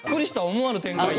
思わぬ展開で。